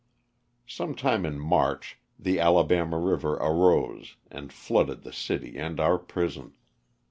Some time in March the Alabama river arose and flooded the city and our prison.